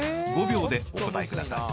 ５秒でお答えください］